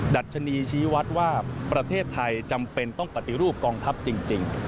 ดัชนีชี้วัดว่าประเทศไทยจำเป็นต้องปฏิรูปกองทัพจริง